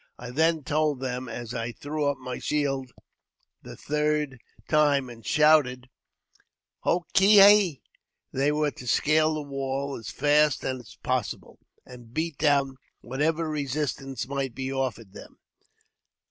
I then told them as I threw up my shield the third time, and shouted " Hoo ki hi," they were to scale the wall as fast as possible, and beat down whatever resistance might be offered them.